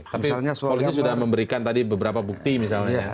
tapi polisi sudah memberikan tadi beberapa bukti misalnya